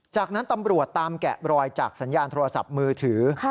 จากนั้นตำรวจตามแกะรอยจากสัญญาณโทรศัพท์มือถือ